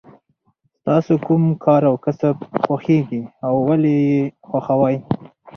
ستاسو کوم کار او کسب خوښیږي او ولې یې خوښوئ.